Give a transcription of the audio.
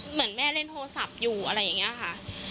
เหมือนแม่เล่นโทรศัพท์อยู่อะไรอย่างนี้ค่ะ